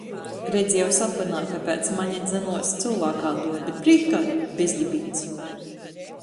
Redzieju sapynā, ka piec mane dzynuos cylvākāduoji, bet prīškā bezdibiņs.